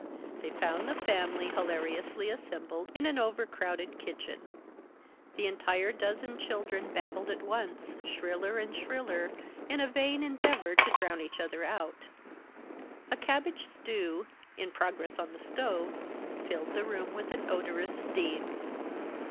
They found the family hilariously assembled in an over crowded kitchen. The entire dozen children babbled at once, shriller and shriller, in a vain endeavor to drown each other out. A cabbage stew, in progress on the stove, filled the room with an odorous steam.